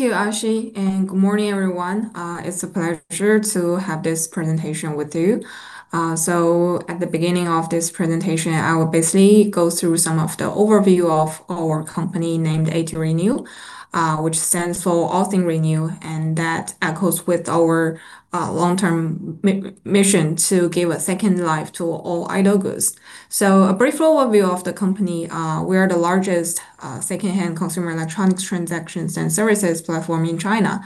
Thank you, [Aashi], and good morning, everyone. It's a pleasure to have this presentation with you. At the beginning of this presentation, I will basically go through some of the overview of our company named ATRenew, which stands for All Things Renew, and that echoes with our long-term mission to give a second life to all idle goods. A brief overview of the company. We are the largest secondhand consumer electronics transactions and services platform in China.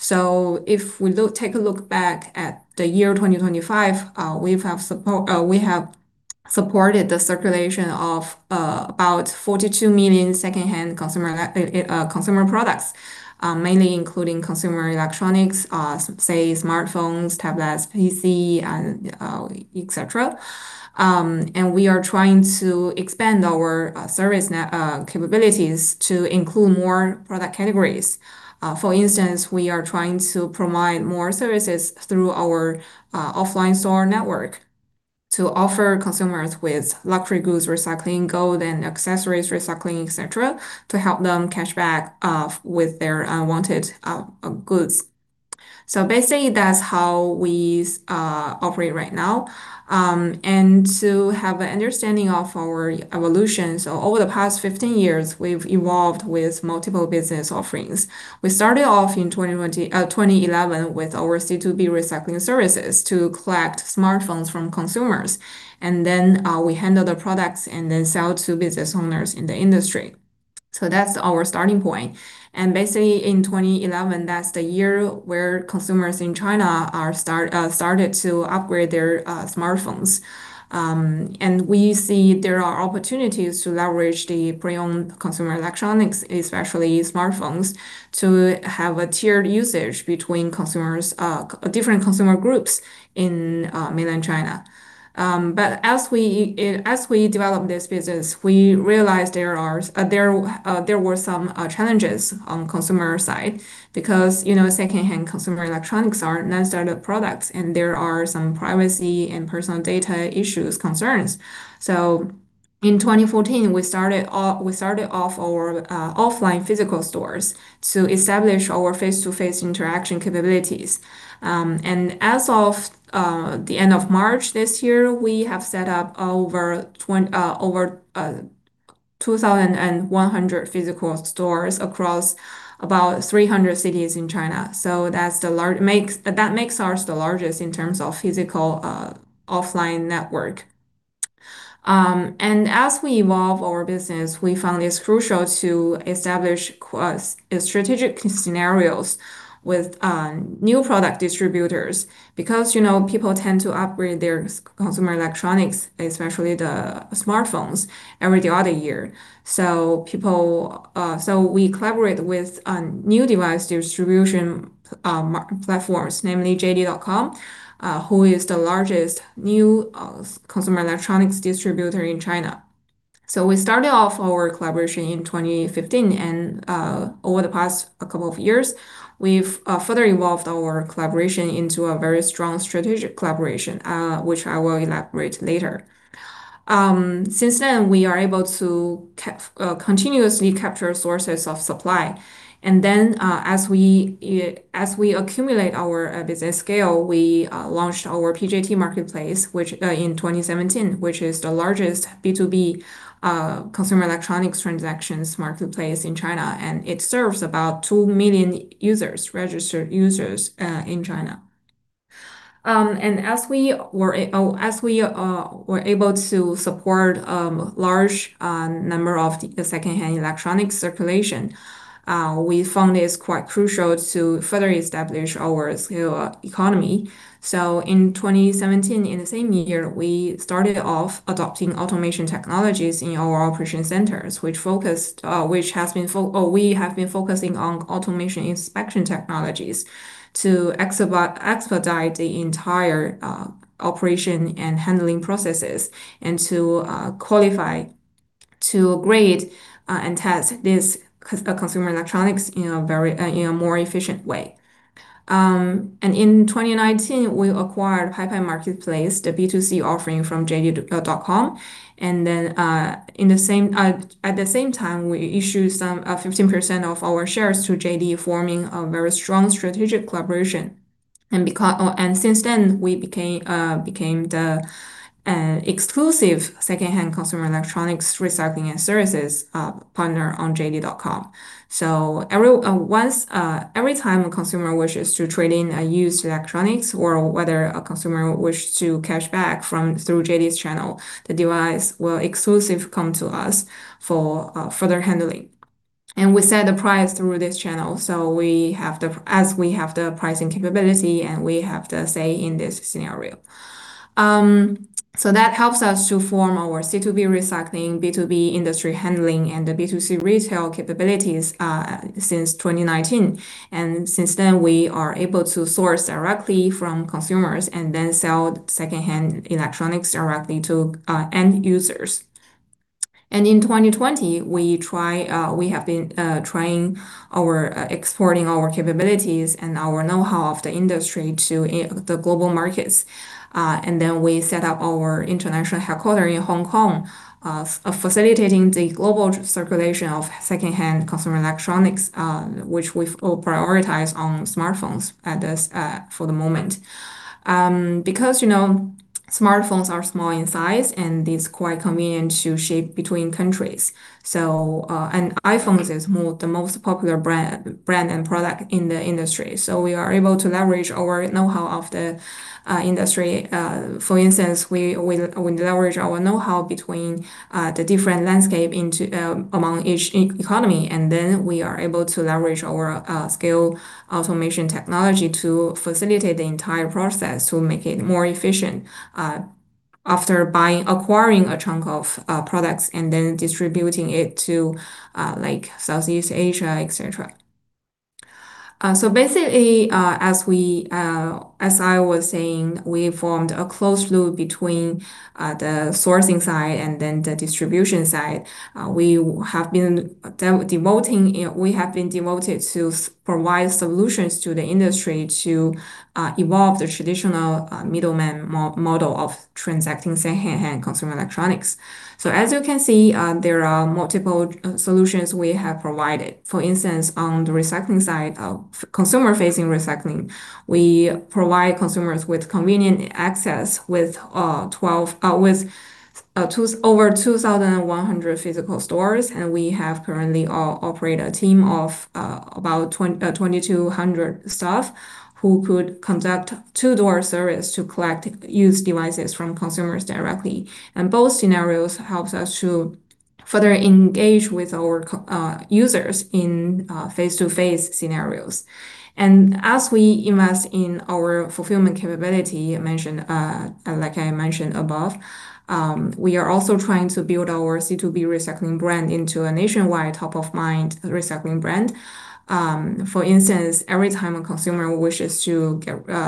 If we take a look back at the year 2025, we have supported the circulation of about 42 million secondhand consumer products, mainly including consumer electronics, say smartphones, tablets, PC, et cetera. We are trying to expand our service capabilities to include more product categories. For instance, we are trying to provide more services through our offline store network to offer consumers with luxury goods recycling, gold and accessories recycling, et cetera, to help them cash back with their unwanted goods. Basically, that's how we operate right now. To have an understanding of our evolution. Over the past 15 years, we've evolved with multiple business offerings. We started off in 2011 with our C2B recycling services to collect smartphones from consumers, and then we handle the products and then sell to business owners in the industry. That's our starting point. Basically in 2011, that's the year where consumers in China started to upgrade their smartphones. We see there are opportunities to leverage the pre-owned consumer electronics, especially smartphones, to have a tiered usage between different consumer groups in mainland China. As we developed this business, we realized there were some challenges on consumer side because secondhand consumer electronics are non-standard products and there are some privacy and personal data issues concerns. In 2014, we started off our offline physical stores to establish our face-to-face interaction capabilities. As of the end of March this year, we have set up over 2,100 physical stores across about 300 cities in China. That makes ours the largest in terms of physical offline network. As we evolve our business, we found it's crucial to establish strategic scenarios with new product distributors because people tend to upgrade their consumer electronics, especially the smartphones, every other year. We collaborate with new device distribution platforms, namely JD.com, who is the largest new consumer electronics distributor in China. We started off our collaboration in 2015, and over the past couple of years, we've further evolved our collaboration into a very strong strategic collaboration, which I will elaborate later. Since then, we are able to continuously capture sources of supply. Then as we accumulate our business scale, we launched our PJT Marketplace in 2017, which is the largest B2B consumer electronics transactions marketplace in China, and it serves about two million registered users in China. As we were able to support large number of the secondhand electronics circulation. We found it is quite crucial to further establish our scale economy. In 2017, in the same year, we started off adopting automation technologies in our operation centers. We have been focusing on automation inspection technologies to expedite the entire operation and handling processes and to qualify, to grade, and test these consumer electronics in a more efficient way. In 2019, we acquired Paipai Marketplace, the B2C offering from JD.com. At the same time, we issued 15% of our shares to JD, forming a very strong strategic collaboration. Since then, we became the exclusive secondhand consumer electronics recycling and services partner on JD.com. Every time a consumer wishes to trade in a used electronics or whether a consumer wish to cash back through JD's channel. The device will exclusive come to us for further handling. We set the price through this channel as we have the pricing capability and we have the say in this scenario. That helps us to form our C2B recycling, B2B industry handling, and the B2C retail capabilities since 2019. Since then, we are able to source directly from consumers and then sell secondhand electronics directly to end users. In 2020, we have been trying exporting our capabilities and our knowhow of the industry to the global markets. We set up our international headquarter in Hong Kong, facilitating the global circulation of secondhand consumer electronics, which we've all prioritized on smartphones for the moment. Because smartphones are small in size, and it's quite convenient to ship between countries. iPhones is the most popular brand and product in the industry, so we are able to leverage our knowhow of the industry. For instance, we leverage our knowhow between the different landscape among each economy, and then we are able to leverage our skill automation technology to facilitate the entire process to make it more efficient after acquiring a chunk of products and then distributing it to Southeast Asia, et cetera. Basically, as I was saying, we formed a closed loop between the sourcing side and then the distribution side. We have been devoted to provide solutions to the industry to evolve the traditional middleman model of transacting secondhand consumer electronics. As you can see, there are multiple solutions we have provided. For instance, on the consumer-facing recycling, we provide consumers with convenient access with over 2,100 physical stores. We have currently operate a team of about 2,200 staff who could conduct door-to-door service to collect used devices from consumers directly. Both scenarios helps us to further engage with our users in face-to-face scenarios. As we invest in our fulfillment capability, like I mentioned above, we are also trying to build our C2B recycling brand into a nationwide top-of-mind recycling brand. For instance, every time a consumer wishes to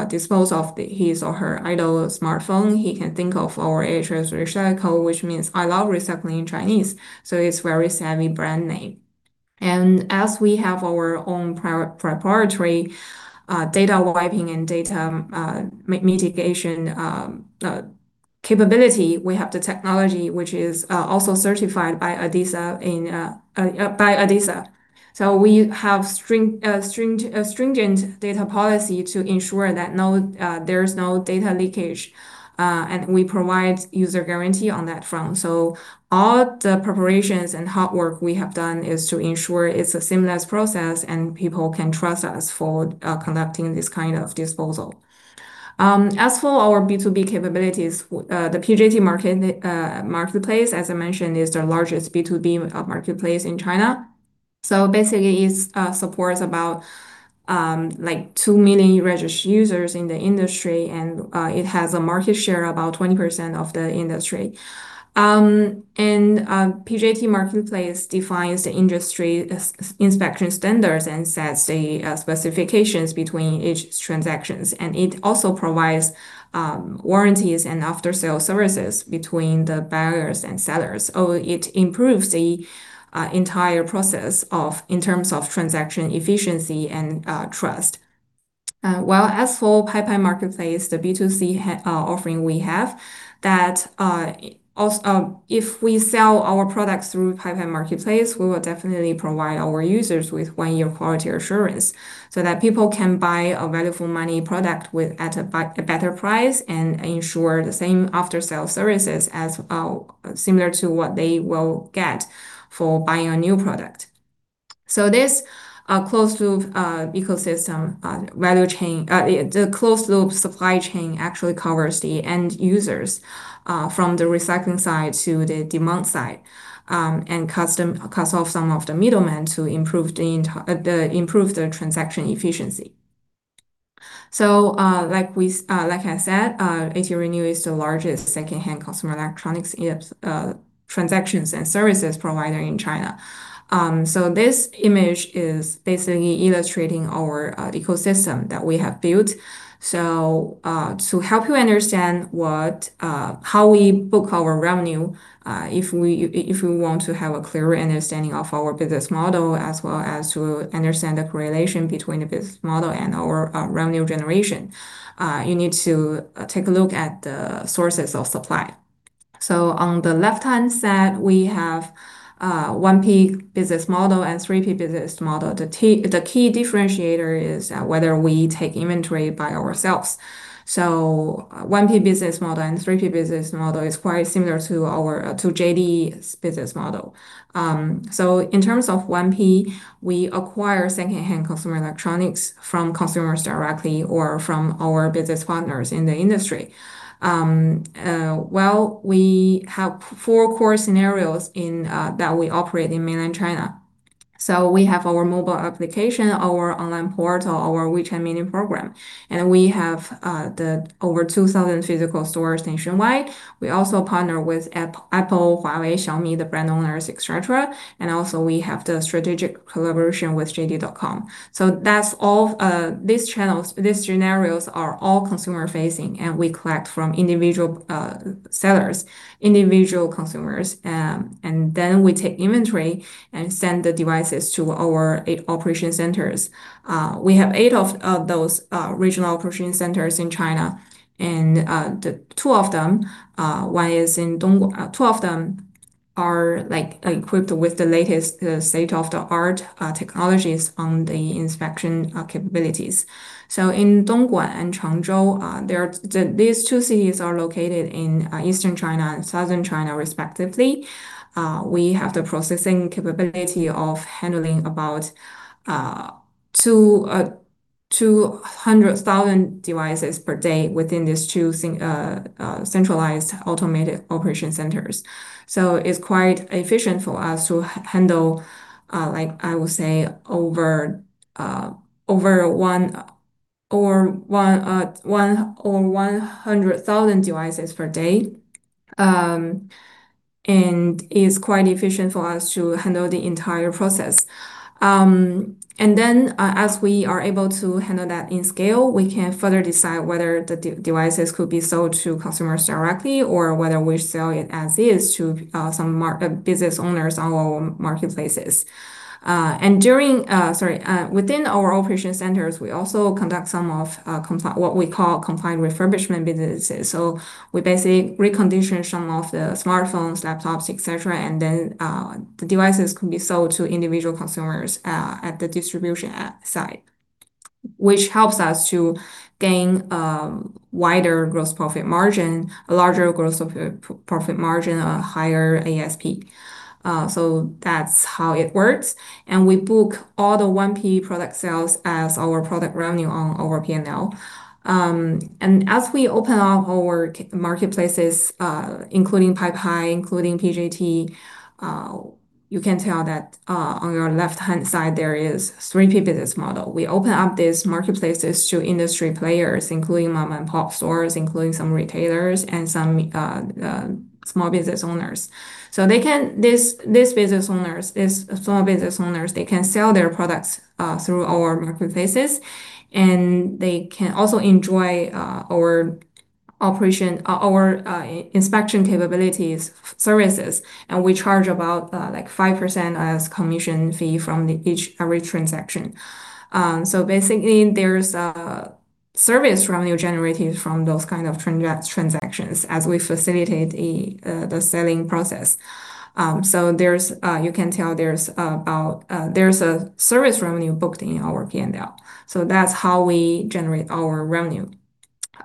dispose of his or her idle smartphone, he can think of our AHS Recycle, which means I love recycling in Chinese, so it's very savvy brand name. As we have our own proprietary data wiping and data mitigation capability. We have the technology which is also certified by ADISA. So we have stringent data policy to ensure that there's no data leakage, and we provide user guarantee on that front. All the preparations and hard work we have done is to ensure it's a seamless process and people can trust us for conducting this kind of disposal. As for our B2B capabilities, the PJT Marketplace, as I mentioned, is the largest B2B marketplace in China. Basically, it supports about two million registered users in the industry, and it has a market share about 20% of the industry. PJT Marketplace defines the industry inspection standards and sets the specifications between each transactions, and it also provides warranties and after-sale services between the buyers and sellers. It improves the entire process in terms of transaction efficiency and trust. As for Paipai Marketplace, the B2C offering we have, if we sell our products through Paipai Marketplace, we will definitely provide our users with one-year quality assurance so that people can buy a value-for-money product at a better price and ensure the same after-sale services as similar to what they will get for buying a new product. This closed loop supply chain actually covers the end users from the recycling side to the demand side, and cuts off some of the middlemen to improve their transaction efficiency. Like I said, ATRenew is the largest secondhand consumer electronics transactions and services provider in China. This image is basically illustrating our ecosystem that we have built. To help you understand how we book our revenue if we want to have a clearer understanding of our business model as well as to understand the correlation between the business model and our revenue generation you need to take a look at the sources of supply. On the left-hand side, we have 1P business model and 3P business model. The key differentiator is whether we take inventory by ourselves. 1P business model and 3P business model is quite similar to JD's business model. In terms of 1P, we acquire secondhand consumer electronics from consumers directly or from our business partners in the industry. Well, we have four core scenarios that we operate in mainland China. We have our mobile application, our online portal, our WeChat Mini Program, and we have the over 2,000 physical stores nationwide. We also partner with Apple, Huawei, Xiaomi, the brand owners, et cetera, and also we have the strategic collaboration with JD.com. These channels, these scenarios are all consumer facing, and we collect from individual sellers, individual consumers, and then we take inventory and send the devices to our eight operation centers. We have eight of those regional operation centers in China, and two of them are equipped with the latest state-of-the-art technologies on the inspection capabilities. In Dongguan and Changzhou, these two cities are located in eastern China and southern China respectively. We have the processing capability of handling about 200,000 devices per day within these two centralized automated operation centers. It's quite efficient for us to handle, I would say, over 100,000 devices per day, and it's quite efficient for us to handle the entire process. Then as we are able to handle that in scale, we can further decide whether the devices could be sold to customers directly or whether we sell it as is to some business owners on our marketplaces. Within our operation centers, we also conduct some of what we call confined refurbishment businesses. We basically recondition some of the smartphones, laptops, et cetera, and then the devices can be sold to individual consumers at the distribution side, which helps us to gain a wider gross profit margin, a larger gross profit margin, a higher ASP. That's how it works. We book all the 1P product sales as our product revenue on our P&L. As we open up our marketplaces, including Paipai, including PJT, you can tell that on your left-hand side there is 3P business model. We open up these marketplaces to industry players, including mom-and-pop stores, including some retailers and some small business owners. These business owners, these small business owners, they can sell their products through our marketplaces, and they can also enjoy our inspection capabilities services, and we charge about 5% as commission fee from each transaction. Basically, there's service revenue generated from those kind of transactions as we facilitate the selling process. You can tell there's a service revenue booked in our P&L. That's how we generate our revenue.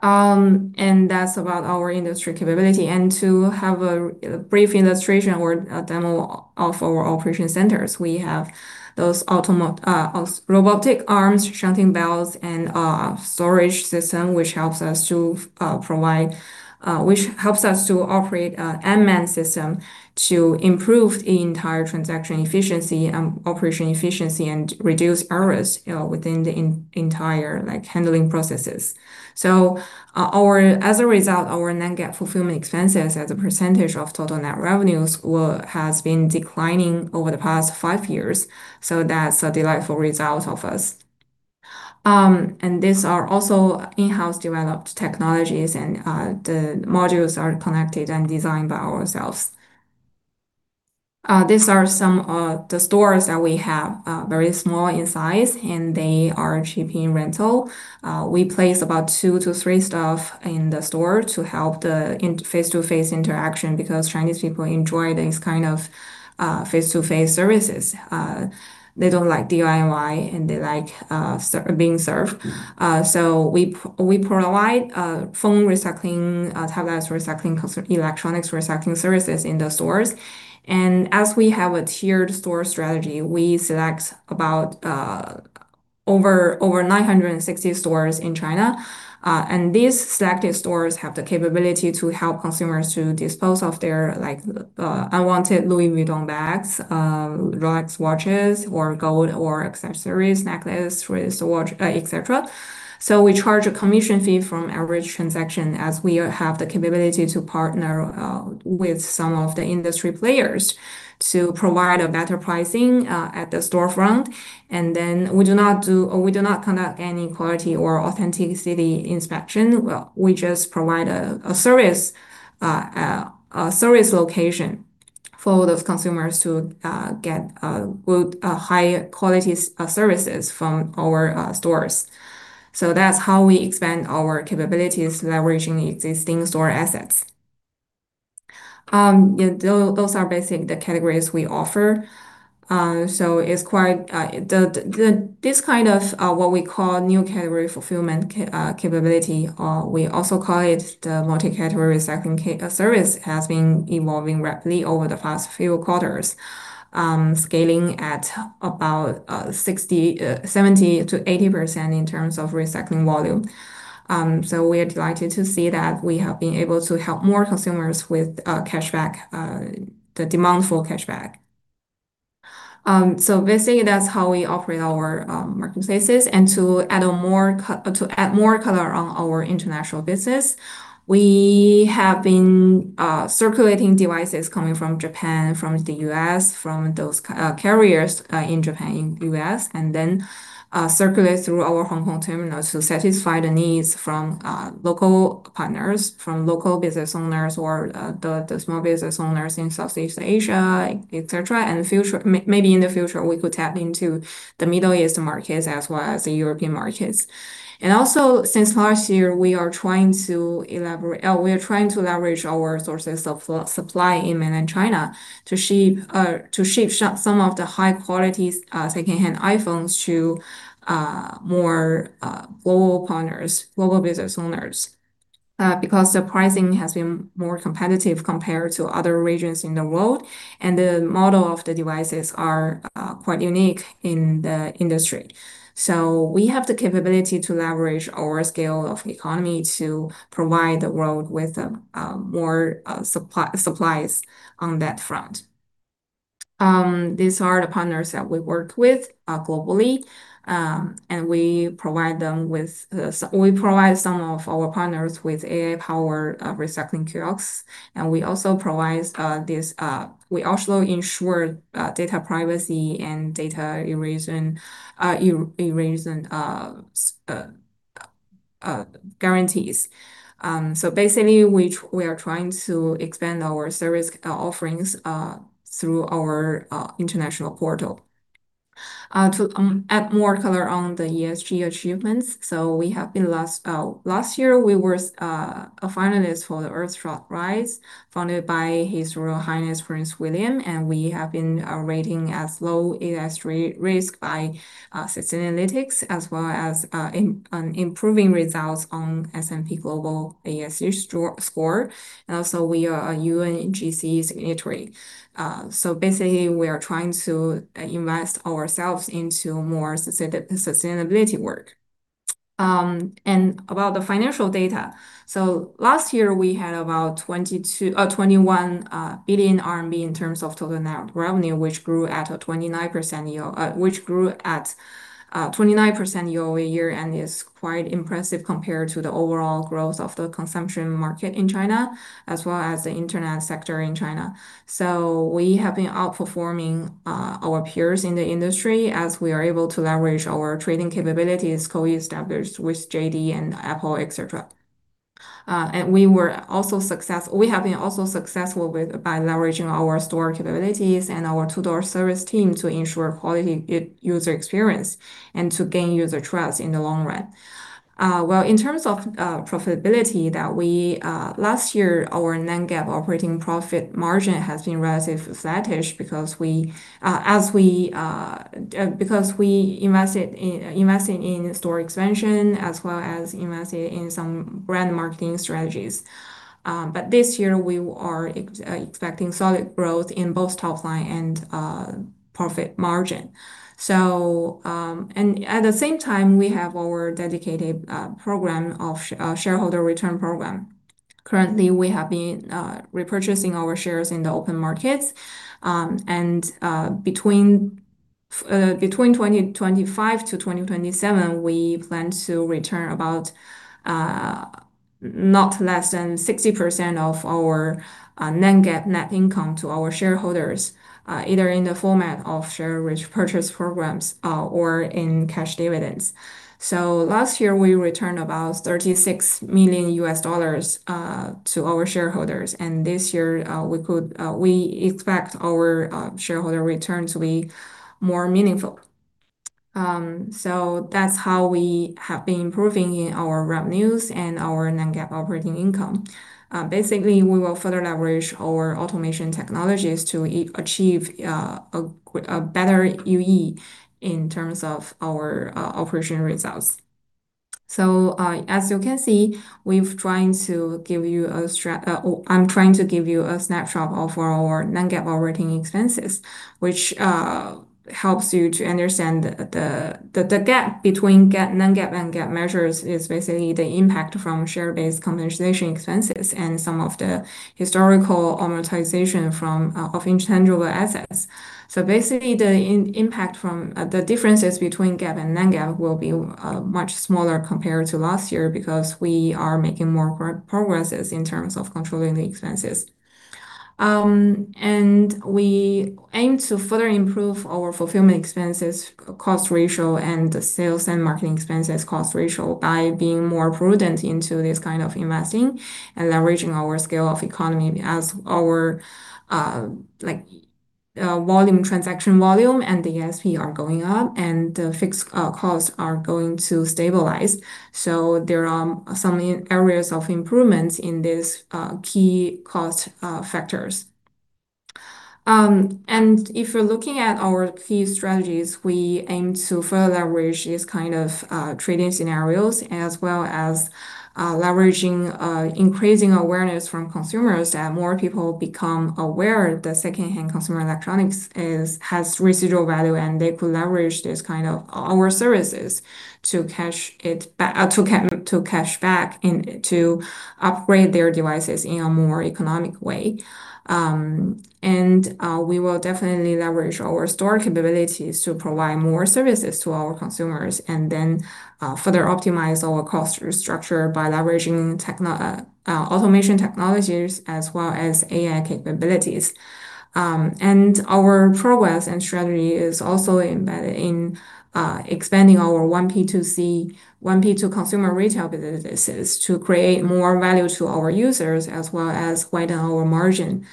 That's about our industry capability. To have a brief illustration or a demo of our operation centers, we have those robotic arms, shunting belts, and storage system, which helps us to operate an unmanned system to improve the entire transaction efficiency and operation efficiency and reduce errors within the entire handling processes. As a result, our net fulfillment expenses as a percentage of total net revenues has been declining over the past five years. That's a delightful result of us. These are also in-house developed technologies, and the modules are connected and designed by ourselves. These are some of the stores that we have, very small in size, and they are cheap in rental. We place about two to three staff in the store to help the face-to-face interaction because Chinese people enjoy these kind of face-to-face services. They don't like DIY, and they like being served. We provide phone recycling, tablets recycling, electronics recycling services in the stores. As we have a tiered store strategy, we select about over 960 stores in China. These selected stores have the capability to help consumers to dispose of their unwanted Louis Vuitton bags, Rolex watches, or gold or accessories, necklace, wristwatch, et cetera. We charge a commission fee from every transaction as we have the capability to partner with some of the industry players to provide a better pricing at the storefront. Then we do not conduct any quality or authenticity inspection. We just provide a service location for those consumers to get high quality services from our stores. That's how we expand our capabilities leveraging the existing store assets. Those are basically the categories we offer. This kind of what we call new category fulfillment capability, or we also call it the Multi-Category Recycling Service, has been evolving rapidly over the past few quarters, scaling at about 70%-80% in terms of recycling volume. We are delighted to see that we have been able to help more consumers with the demand for cash back. Basically, that's how we operate our marketplaces. To add more color on our international business, we have been circulating devices coming from Japan, from the U.S., from those carriers in Japan, in U.S., and then circulate through our Hong Kong terminals to satisfy the needs from local partners, from local business owners or the small business owners in Southeast Asia, et cetera. Maybe in the future, we could tap into the Middle Eastern markets as well as the European markets. Since last year, we are trying to leverage our sources of supply in Mainland China to ship some of the high-quality secondhand iPhones to more global partners, global business owners. The pricing has been more competitive compared to other regions in the world, and the model of the devices are quite unique in the industry. We have the capability to leverage our scale of economy to provide the world with more supplies on that front. These are the partners that we work with globally. We provide some of our partners with AI-powered recycling kiosks, and we also ensure data privacy and data erasure guarantees. We are trying to expand our service offerings through our international portal. To add more color on the ESG achievements, last year we were a finalist for The Earthshot Prize, funded by His Royal Highness Prince William, and we have been rating as low ESG risk by Sustainalytics, as well as improving results on S&P Global ESG score. We are a UNGC signatory. We are trying to invest ourselves into more sustainability work. About the financial data. Last year, we had about 21 billion RMB in terms of total net revenue, which grew at 29% year-over-year and is quite impressive compared to the overall growth of the consumption market in China, as well as the internet sector in China. We have been outperforming our peers in the industry as we are able to leverage our trading capabilities co-established with JD and Apple, et cetera. We have been also successful by leveraging our store capabilities and our door-to-door service team to ensure quality user experience and to gain user trust in the long run. Well, in terms of profitability, last year our Non-GAAP operating profit margin has been relatively flattish because we invested in store expansion as well as invested in some brand marketing strategies. This year we are expecting solid growth in both top line and profit margin. At the same time, we have our dedicated shareholder return program. Currently, we have been repurchasing our shares in the open markets, and between 2025-2027, we plan to return about not less than 60% of our Non-GAAP net income to our shareholders, either in the format of share repurchase programs or in cash dividends. Last year, we returned about $36 million to our shareholders, and this year we expect our shareholder return to be more meaningful. That's how we have been improving in our revenues and our Non-GAAP operating income. Basically, we will further leverage our automation technologies to achieve a better UE in terms of our operation results. As you can see, I'm trying to give you a snapshot of our Non-GAAP operating expenses, which helps you to understand the gap between Non-GAAP and GAAP measures is basically the impact from share-based compensation expenses and some of the historical amortization of intangible assets. The differences between GAAP and Non-GAAP will be much smaller compared to last year because we are making more progresses in terms of controlling the expenses. We aim to further improve our fulfillment expenses cost ratio and the sales and marketing expenses cost ratio by being more prudent into this kind of investing and leveraging our scale of economy as our transaction volume and the ASP are going up and the fixed costs are going to stabilize. There are some areas of improvements in these key cost factors. If you're looking at our key strategies, we aim to further leverage these kind of trading scenarios as well as increasing awareness from consumers, that more people become aware that secondhand consumer electronics has residual value, and they could leverage our services to cash back and to upgrade their devices in a more economic way. We will definitely leverage our store capabilities to provide more services to our consumers, then further optimize our cost structure by leveraging automation technologies as well as AI capabilities. Our progress and strategy is also embedded in expanding our 1P2C consumer retail businesses to create more value to our users as well as widen our margin.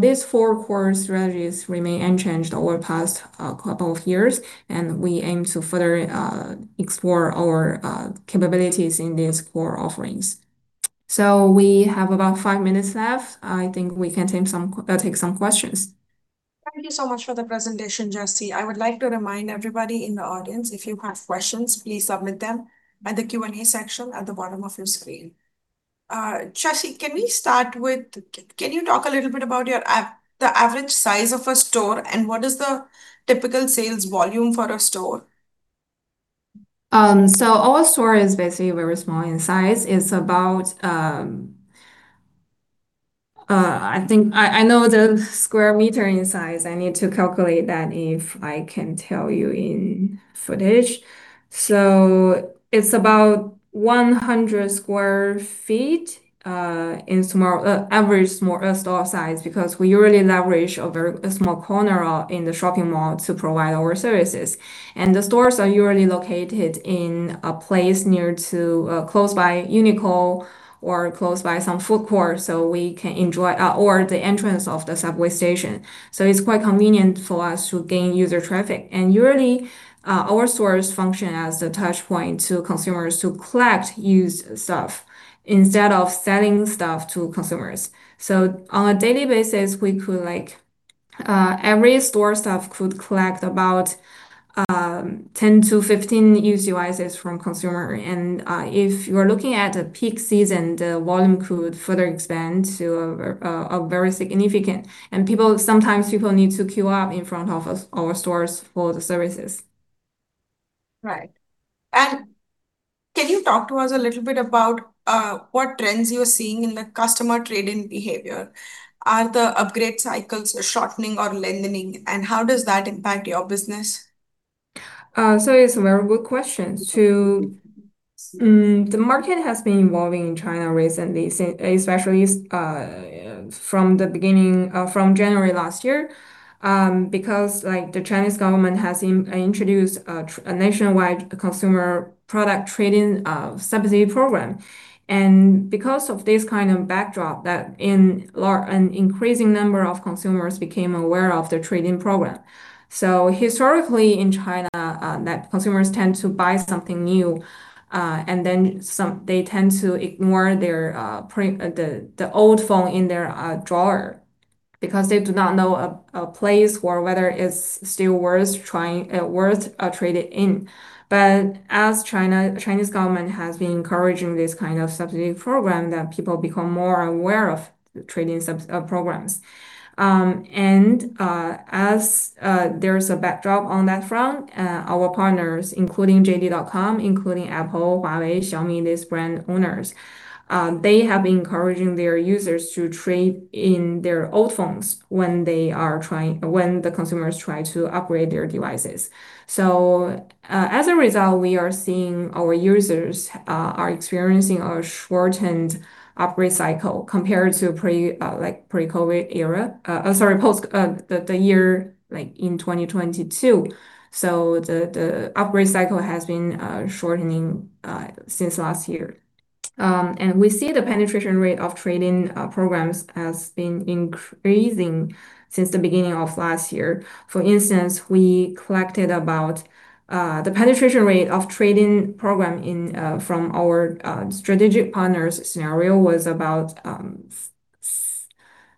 These four core strategies remain unchanged over the past couple of years, and we aim to further explore our capabilities in these core offerings. We have about five minutes left. I think we can take some questions. Thank you so much for the presentation, Jessie. I would like to remind everybody in the audience, if you have questions, please submit them by the Q&A section at the bottom of your screen. Jessie, can you talk a little bit about the average size of a store, and what is the typical sales volume for a store? Our store is basically very small in size. I know the square meter in size. I need to calculate that if I can tell you in footage. It's about 100 sq ft in average store size because we usually leverage a very small corner in the shopping mall to provide our services. The stores are usually located in a place close by Uniqlo or close by some food court or the entrance of the subway station. It's quite convenient for us to gain user traffic. Usually, our stores function as the touch point to consumers to collect used stuff instead of selling stuff to consumers. On a daily basis, every store staff could collect about 10-15 used devices from consumer. If you're looking at the peak season, the volume could further expand to very significant. Sometimes people need to queue up in front of our stores for the services. Right. Can you talk to us a little bit about what trends you're seeing in the customer trade-in behavior? Are the upgrade cycles shortening or lengthening, and how does that impact your business? It's a very good question. The market has been evolving in China recently, especially from January last year, because the Chinese government has introduced a Nationwide Consumer Product Trade-in Subsidy Program. Because of this kind of backdrop, an increasing number of consumers became aware of the Trade-in Program. Historically in China, consumers tend to buy something new, then they tend to ignore the old phone in their drawer because they do not know a place or whether it's still worth trade-in. As Chinese government has been encouraging this kind of subsidy program, that people become more aware of trade-in programs. As there's a backdrop on that front, our partners, including JD.com, including Apple, Huawei, Xiaomi, these brand owners, they have been encouraging their users to trade in their old phones when the consumers try to upgrade their devices. As a result, we are seeing our users are experiencing a shortened upgrade cycle compared to the year in 2022. The upgrade cycle has been shortening since last year. We see the penetration rate of trade-in programs has been increasing since the beginning of last year. For instance, the penetration rate of Trade-in Program from our strategic partners scenario was about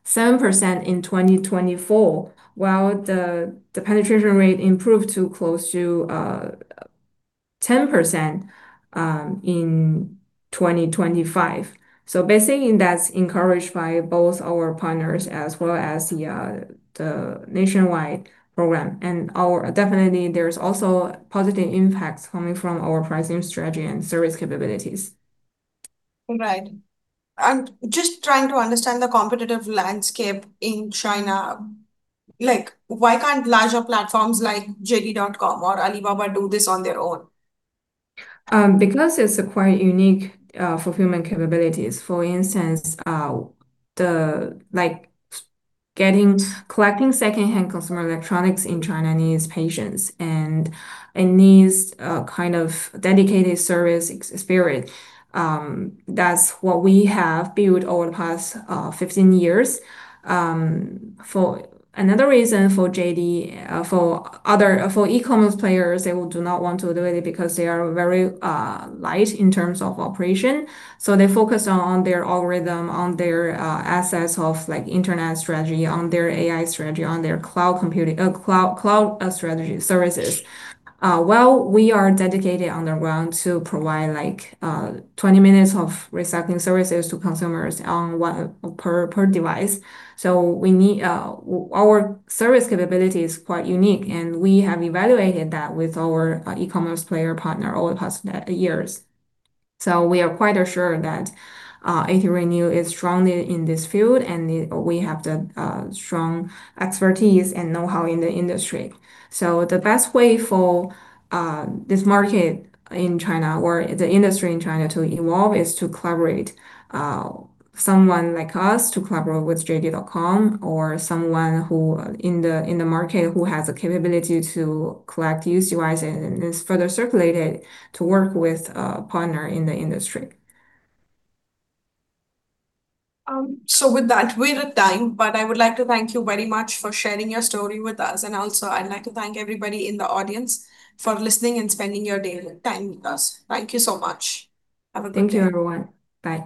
7% in 2024, while the penetration rate improved to close to 10% in 2025. Basically, that's encouraged by both our partners as well as the Nationwide Program. Definitely, there's also positive impacts coming from our pricing strategy and service capabilities. Right. I'm just trying to understand the competitive landscape in China. Why can't larger platforms like JD.com or Alibaba do this on their own? It's quite unique fulfillment capabilities. For instance, collecting secondhand consumer electronics in China needs patience and it needs a kind of dedicated service spirit. That's what we have built over the past 15 years. Another reason for e-commerce players, they do not want to do it because they are very light in terms of operation. They focus on their algorithm, on their assets of internet strategy, on their AI strategy, on their cloud strategy services. While we are dedicated on the ground to provide 20 minutes of recycling services to consumers per device. Our service capability is quite unique, and we have evaluated that with our e-commerce player partner over the past years. We are quite assured that ATRenew is strong in this field and we have the strong expertise and know-how in the industry. The best way for this market in China or the industry in China to evolve is to collaborate. Someone like us to collaborate with JD.com or someone in the market who has the capability to collect used devices and is further circulated to work with a partner in the industry. With that, we're at time. I would like to thank you very much for sharing your story with us. I'd like to thank everybody in the audience for listening and spending your day and time with us. Thank you so much. Have a good day. Thank you, everyone. Bye.